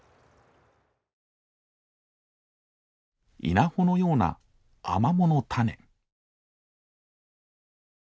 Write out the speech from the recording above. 稲穂のようなアマモの種。